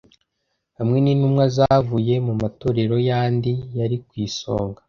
hamwe n’intumwa zavuye mu matorero yandi yari ku isonga